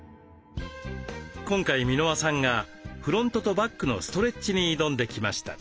今回箕輪さんがフロントとバックのストレッチに挑んできました。